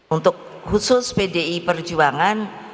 untuk khusus pdi perjuangan